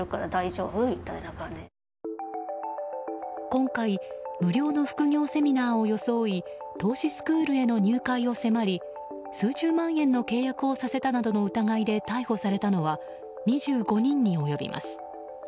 今回、無料の副業セミナーを装い投資スクールへの入会を迫り数十万円の契約をさせたなどの疑いで逮捕されたのは２５人に及びます。